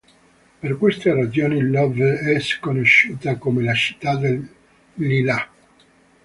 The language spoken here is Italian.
Per queste ragioni Loveč è conosciuta come "la città dei lillà".